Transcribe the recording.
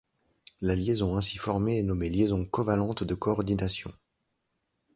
La liaison ainsi formée est nommée liaison covalente de coordination.